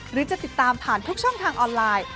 หรือจะติดตามผ่านทุกช่องทางออนไลน์